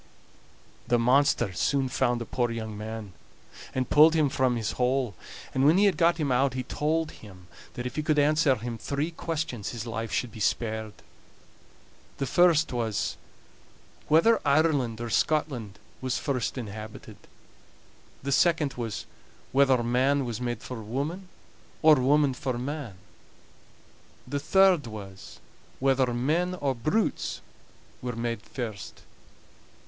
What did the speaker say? (1) "Kitchen," that is, "season." The monster soon found the poor young man, and pulled him from his hole. And when he had got him out he told him that if he could answer him three questions his life should be spared. The first was: Whether Ireland or Scotland was first inhabited? The second was: Whether man was made for woman, or woman for man? The third was: Whether men or brutes were made first?